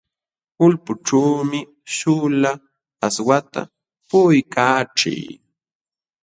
Ulpućhuumi śhuula aswata puquykaachii.